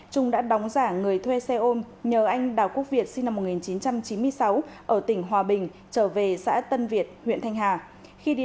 trung đã đóng giả người thuê xe ôm nhờ anh đào quốc việt sinh năm một nghìn chín trăm chín mươi sáu ở tỉnh hòa bình trở về xã tân việt huyện thanh hà